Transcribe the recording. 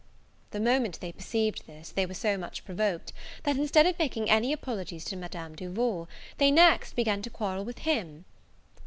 The moment they perceived this, they were so much provoked, that, instead of making any apologies to Madame Duval, they next began to quarrel with him.